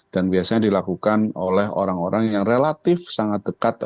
dan biasanya dilakukan oleh orang orang yang relatif sangat dekat